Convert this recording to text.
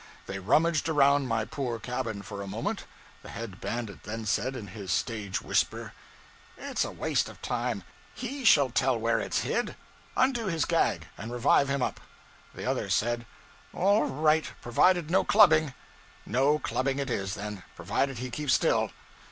They rummaged around my poor cabin for a moment; the head bandit then said, in his stage whisper 'It's a waste of time he shall tell where it's hid. Undo his gag, and revive him up.' The other said 'All right provided no clubbing.' 'No clubbing it is, then provided he keeps still.'